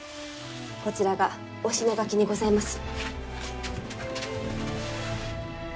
こちらがおしながきにございます。